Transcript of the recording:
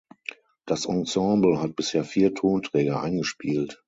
Das Ensemble hat bisher vier Tonträger eingespielt.